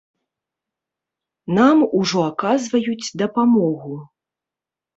Нам ужо аказваюць дапамогу.